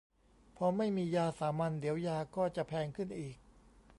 พอไม่มียาสามัญ เดี๋ยวยาก็จะแพงขึ้นอีก